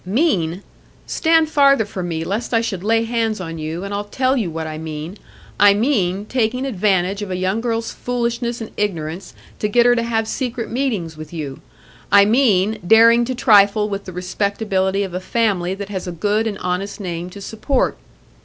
"Mean? Stand farther from me, lest I should lay hands on you, and I'll tell you what I mean. I mean, taking advantage of a young girl's foolishness and ignorance to get her to have secret meetings with you. I mean, daring to trifle with the respectability of a family that has a good and honest name to support."